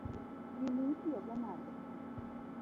Gini itiyo go nade?